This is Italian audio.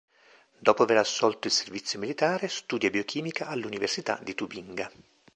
Dopo aver assolto il servizio militare, studia biochimica all'Università di Tubinga.